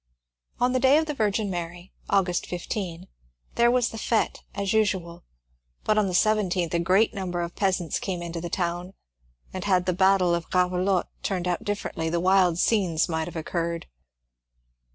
On the day of the Virgin Mary, August 15, there was the fete as usual, but on the 17th a great number of peasants came into the town, and had the battle of Gravelotte turned out differently the wild scenes might have occurred.